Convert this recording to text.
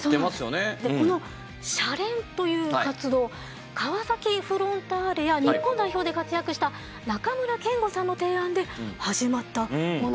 このシャレン！という活動川崎フロンターレや日本代表で活躍した中村憲剛さんの提案で始まったものなんですね。